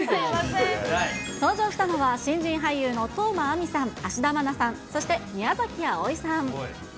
登場したのは、新人俳優の當真あみさん、芦田愛菜さん、そして宮崎あおいさん。